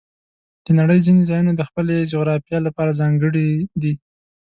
د نړۍ ځینې ځایونه د خپلې جغرافیې لپاره ځانګړي دي.